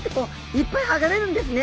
いっぱい剥がれるんですね。